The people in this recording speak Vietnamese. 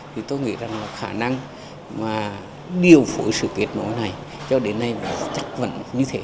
thì tôi nghĩ rằng khả năng mà điều phổi sự biệt nội này cho đến nay chắc vẫn như thế